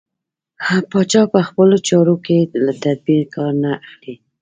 پاچا په خپلو چارو کې له تدبېره کار نه اخلي.